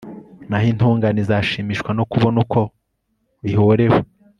naho intungane izashimishwa no kubona uko ihorewe